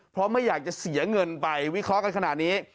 เพราะไม่อยากจะเสียเงินไปวิเคราะห์กันขนาดนี้